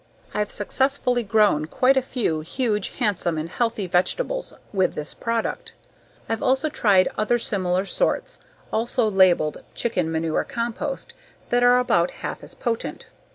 I've successfully grown quite a few huge, handsome, and healthy vegetables with this product. I've also tried other similar sorts also labeled "chicken manure compost" that are about half as potent.